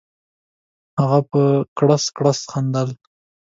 هغه په کړس کړس خندل.